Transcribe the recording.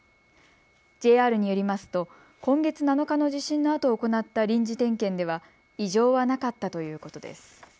ＪＲによりますと今月７日の地震のあと行った臨時点検では異常はなかったということです。